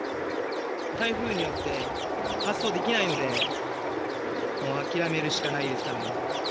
台風によって、発送できないので、諦めるしかないですかね。